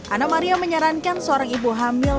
ana maria menyarankan seorang ibu hamil